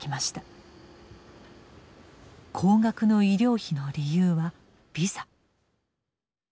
高額の医療費の理由はビザ。